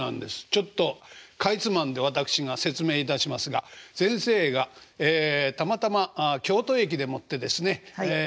ちょっとかいつまんで私が説明いたしますが先生がたまたま京都駅でもってですね